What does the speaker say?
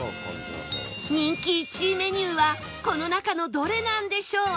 人気１位メニューはこの中のどれなんでしょう？